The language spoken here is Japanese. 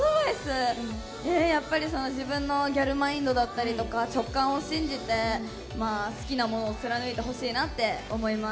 やっぱりその自分のギャルマインドだったりとか直感を信じてまあ好きなものを貫いてほしいなって思います。